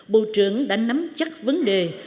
bộ trưởng đã nắm chắc vấn đề